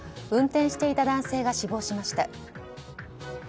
運転していた男性が死亡しました。